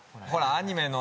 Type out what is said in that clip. アニメの。